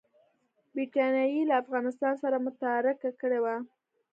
برټانیې له افغانستان سره متارکه کړې وه.